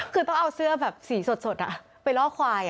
คือต้องเอาเสื้อแบบสีสดไปล่อควาย